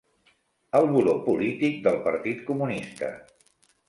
El buró polític del partit comunista.